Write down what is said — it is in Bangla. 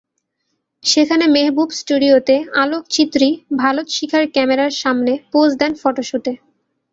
সেখানে মেহবুব স্টুডিওতে আলোকচিত্রী ভারত শিখার ক্যামেরার সামনে পোজ দেন ফটোশুটে।